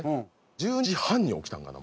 １２時半に起きたんかな？